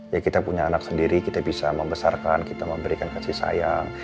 ya kita punya anak sendiri kita bisa membesarkan kita memberikan kasih sayang